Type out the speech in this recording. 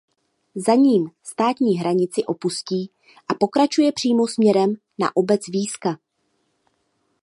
Za ním státní hranici opustí a pokračuje přímo směrem na obec Víska.